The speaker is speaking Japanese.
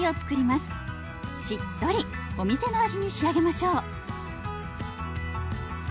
しっとりお店の味に仕上げましょう。